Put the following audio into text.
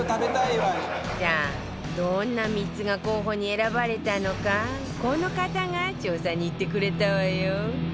さあどんな３つが候補に選ばれたのかこの方が調査に行ってくれたわよ